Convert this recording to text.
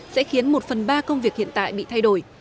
sẽ khiến một phần ba công việc hiện tại bị thay đổi